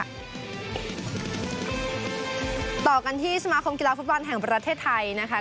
ต่อกันที่สมาคมกีฬาฟุตบอลแห่งประเทศไทยนะคะ